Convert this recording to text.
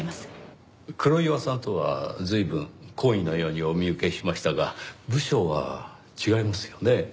黒岩さんとは随分懇意のようにお見受けしましたが部署は違いますよね？